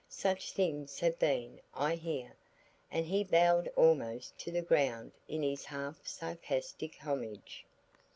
Such things have been, I hear." And he bowed almost to the ground in his half sarcastic homage.